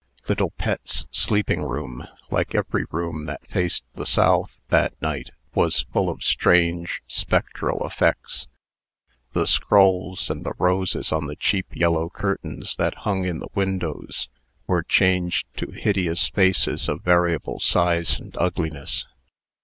Little Pet's sleeping room, like every room that faced the south, that night, was full of strange, spectral effects. The scrolls and the roses on the cheap yellow curtains that hung in the windows, were changed to hideous faces of variable size and ugliness.